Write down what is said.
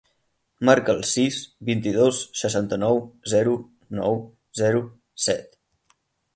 Marca el sis, vint-i-dos, seixanta-nou, zero, nou, zero, set.